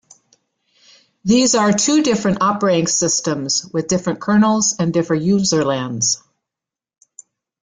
These are two different operating systems with different kernels and different userlands.